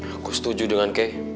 aku setuju dengan kay